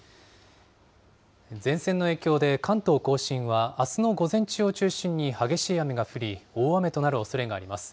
前線の影響で、関東甲信はあすの午前中を中心に激しい雨が降り、大雨となるおそれがあります。